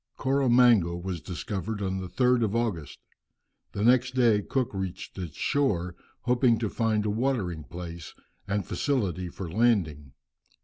Koro Mango was discovered on the 3rd of August. Next day Cook reached its shore, hoping to find a watering place, and facility for landing.